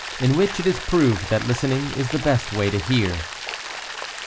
IN WHICH IT IS PROVED THAT LISTENING IS THE BEST WAY TO HEAR.